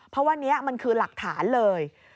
เพราะว่านี้มันคือหลักฐานเลย